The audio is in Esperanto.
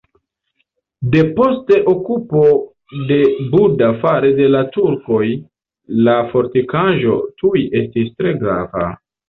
Depost okupo de Buda fare de la turkoj la fortikaĵo tuj estis tre grava.